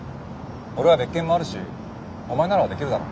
俺は別件もあるしお前ならできるだろ？